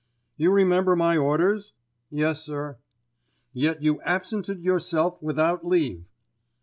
"You remember my orders?" "Yes, sir." "Yet you absented yourself without leave."